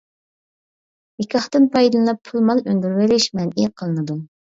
نىكاھتىن پايدىلىنىپ پۇل-مال ئۈندۈرۈۋېلىش مەنئى قىلىنىدۇ.